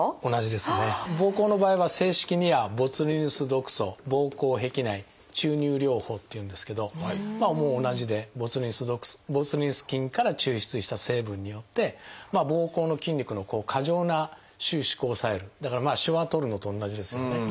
ぼうこうの場合は正式には「ボツリヌス毒素ぼうこう壁内注入療法」っていうんですけど同じでボツリヌス菌から抽出した成分によってぼうこうの筋肉の過剰な収縮を抑えるだからしわを取るのと同じですよね。